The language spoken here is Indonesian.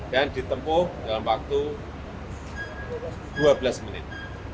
dan ditempuh dalam waktu dua belas menit